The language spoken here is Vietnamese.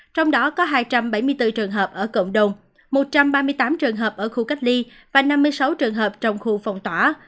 trong đó có hai trăm bảy mươi bốn trường hợp ở cộng đồng một trăm ba mươi tám trường hợp ở khu cách ly và năm mươi sáu trường hợp trong khu phòng tỏa